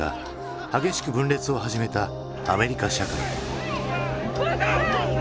激しく分裂を始めたアメリカ社会。